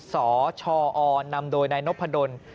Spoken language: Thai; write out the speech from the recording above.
สชอนำโดยนายนพดล